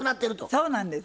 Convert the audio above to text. そうなんです。